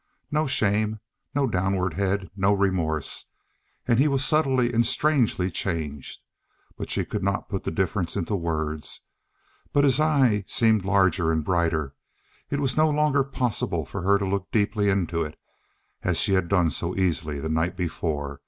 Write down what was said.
No shame, no downward head, no remorse. And he was subtly and strangely changed. She could not put the difference into words. But his eye seemed larger and brighter it was no longer possible for her to look deeply into it, as she had done so easily the night before.